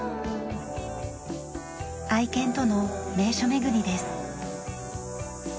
愛犬との名所めぐりです。